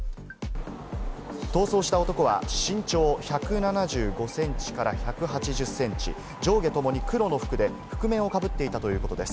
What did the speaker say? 逃走した男は身長１７５センチから１８０センチ、上下ともに黒の服で覆面をかぶっていたということです。